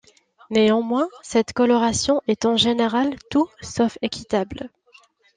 Néanmoins, cette coloration est en général tout sauf équitable.